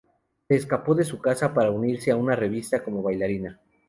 Se escapó de su casa para unirse a una revista como bailarina.